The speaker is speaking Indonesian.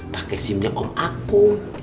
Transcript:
pake simnya om aku